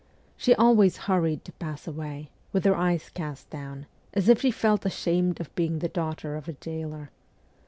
She always hurried to pass away, with her eyes cast down, as if she felt ashamed of being the daughter of a jailor.